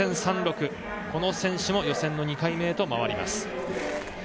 この選手も予選の２回目へと回ります。